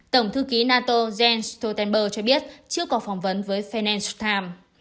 tổng thư ký nato jens stoltenberg cho biết trước cuộc phỏng vấn với financial times